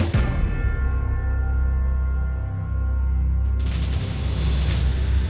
ya aku sama